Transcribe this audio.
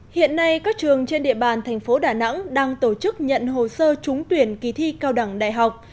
hiện nay các trường trên địa bàn thành phố đà nẵng đang tổ chức nhận hồ sơ trúng tuyển kỳ thi cao đẳng đại học